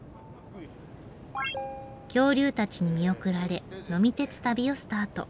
恐竜たちに見送られ呑み鉄旅をスタート。